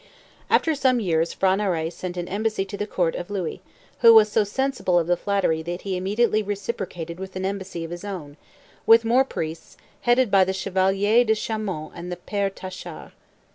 After some years P'hra Narai sent an embassy to the Court of Louis, who was so sensible of the flattery that he immediately reciprocated with an embassy of his own, with more priests, headed by the Chevalier De Chaumont and the Père Tachard.